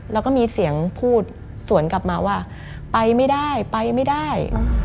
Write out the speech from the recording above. แล้วก็มีเสียงพูดสวนกลับมาว่าไปไม่ได้ไปไม่ได้